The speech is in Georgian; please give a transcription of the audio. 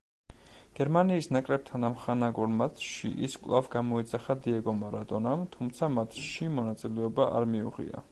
გერმანიის ნაკრებთან ამხანაგურ მატჩში ის კვლავ გამოიძახა დიეგო მარადონამ, თუმცა მატჩში მონაწილეობა არ მიუღია.